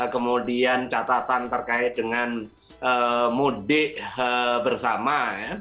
kemudian catatan terkait dengan mudik bersama